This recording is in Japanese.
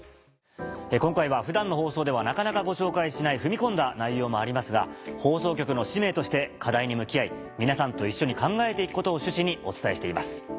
今回は普段の放送ではなかなかご紹介しない踏み込んだ内容もありますが放送局の使命として課題に向き合い皆さんと一緒に考えていくことを趣旨にお伝えしています。